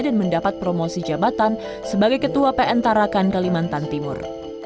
dan mendapat promosi jabatan sebagai ketua pn tarakan kalimantan timur